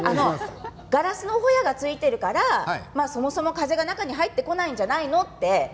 ガラスのホヤがついているからそもそも風が中に入ってこないんじゃないの？って